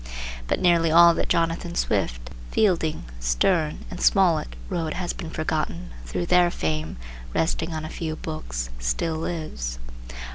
But nearly all that Jonathan Swift, Fielding, Sterne, and Smollett wrote has been forgotten, though their fame, resting on a few books, still lives.